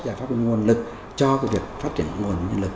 giải pháp nguồn lực cho việc phát triển nguồn nhân lực